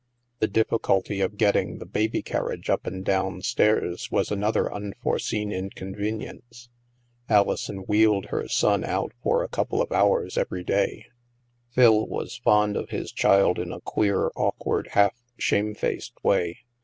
The difficulty of getting the baby carriage up and down stairs was another unforeseen inconvenience. Alison wheeled her son out for a couple of hours every day. Phil was fond of his child in a queer, awkward, half shamefaced way.